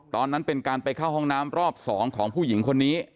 ตอนนั้นเป็นการไปเข้าห้องน้ำรอบ๒ของผู้หญิงคนนี้